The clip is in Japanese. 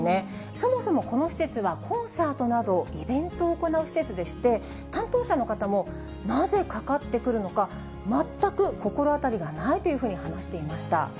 そもそもこの施設は、コンサートなどイベントを行う施設でして、担当者の方も、なぜ、かかってくるのか、全く心当たりがないというふうに話していました。